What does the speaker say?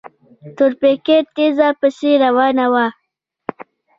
تورپيکۍ تېزه پسې روانه وه.